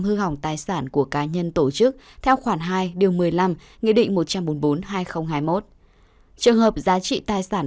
hư hỏng tài sản của cá nhân tổ chức theo khoản hai điều một mươi năm nghị định một trăm bốn mươi bốn hai nghìn hai mươi một trường hợp giá trị tài sản